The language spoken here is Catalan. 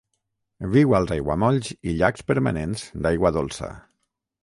Viu als aiguamolls i llacs permanents d'aigua dolça.